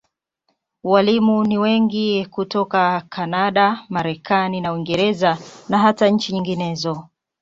Walimu ni wengi hutoka Kanada, Marekani na Uingereza, na hata nchi nyinginezo.